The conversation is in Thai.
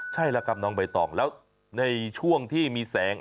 ใช่แล้วครับน้องใบตองแล้วในช่วงที่มีแสง